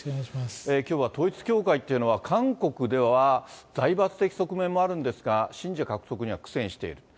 きょうは統一教会というのは、韓国では、財閥的側面もあるんですが、信者獲得には苦戦していると。